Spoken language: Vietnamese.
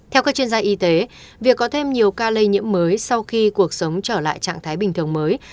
theo các chuyên gia y tế việc có thêm nhiều ca lây nhiễm mới sau khi cuộc sống trở lại trạng thái bình thường mới